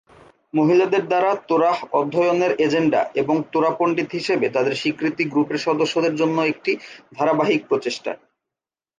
মহিলাদের দ্বারা তোরাহ অধ্যয়নের এজেন্ডা এবং তোরা পণ্ডিত হিসাবে তাদের স্বীকৃতি গ্রুপের সদস্যদের জন্য একটি ধারাবাহিক প্রচেষ্টা।